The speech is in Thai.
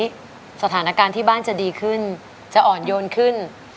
ตอนนี้สถานการณ์ที่บ้านจะดีขึ้นจะอ่อนโยนขึ้น